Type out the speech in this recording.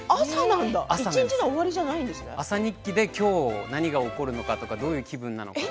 朝日記できょう何が起こるのかどういう気分なのか。